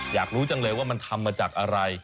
อยากรู้จังเลยว่ามันทำมาจากอะไร